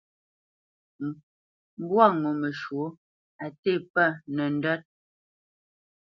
Mbwâ ŋo məshwɔ̌ á té pə nəndwə́t.